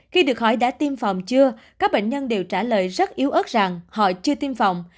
khi được hỏi đã tiêm phòng chưa các bệnh nhân đều trả lời rất yếu ớt rằng họ chưa tiêm phòng